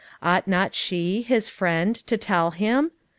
Ought not she, his friend, to tell him?